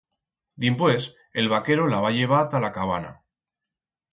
Dimpués el vaquero la va llevar ta la cabana.